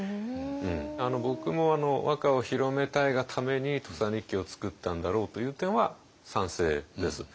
僕も和歌を広めたいがために「土佐日記」を作ったんだろうという点は賛成です。